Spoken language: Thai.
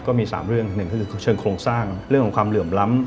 ก็มี๓เรื่องหนึ่งก็คือเชิงโครงสร้างเรื่องของความเหลื่อมล้ำ